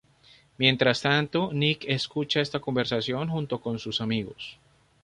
Mientras tanto, Nick escucha esta conversación junto con sus amigos.